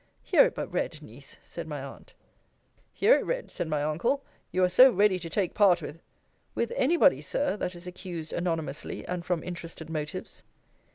Hear it but read, Niece, said my aunt Hear it read, said my uncle. You are so ready to take part with With any body, Sir, that is accused anonymously, and from interested motives.